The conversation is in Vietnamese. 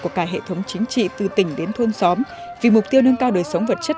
của cả hệ thống chính trị từ tỉnh đến thôn xóm vì mục tiêu nâng cao đời sống vật chất